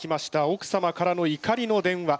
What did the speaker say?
奥様からの怒りの電話！